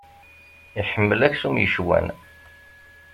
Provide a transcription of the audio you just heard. Iḥemmel aksum yecwan.